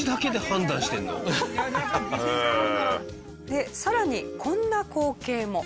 でさらにこんな光景も。